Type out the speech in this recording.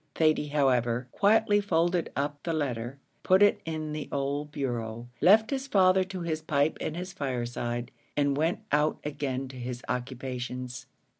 Thady, however, quietly folded up the letter, put it in the old bureau, left his father to his pipe and his fireside, and went out again to his occupations.